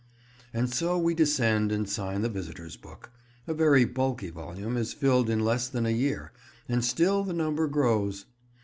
And so we descend and sign the visitors' book. A very bulky volume is filled in less than a year, and still the number grows.